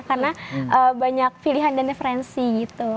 karena banyak pilihan dan referensi gitu